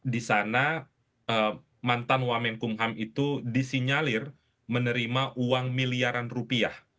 di sana mantan wamenkumham itu disinyalir menerima uang miliaran rupiah